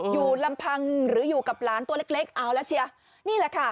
อยู่ลำพังหรืออยู่กับหลานตัวเล็กเล็กเอาแล้วเชียนี่แหละค่ะ